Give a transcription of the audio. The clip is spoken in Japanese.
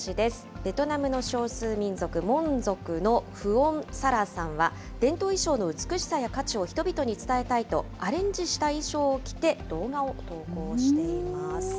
ベトナムの少数民族、モン族のフオン・サラさんは、伝統衣装の美しさや価値を人々に伝えたいと、アレンジした衣装を着て動画を投稿しています。